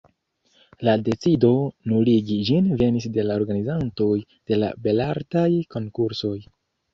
La decido nuligi ĝin venis de la organizantoj de la Belartaj Konkursoj.